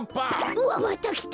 うわっまたきた！